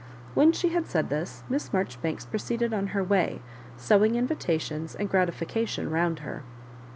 When she had said this. Miss Marjoribanks proceeded on her way, sowing invitations and gratification round her.